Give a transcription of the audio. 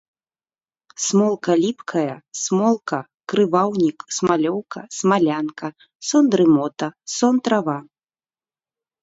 Смолка ліпкая, смолка, крываўнік, смалёўка, смалянка, сон-дрымота, сон-трава.